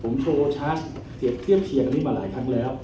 ผมโชว์ชาร์จเทียบเคียงอันนี้มาหลายครั้งแล้ว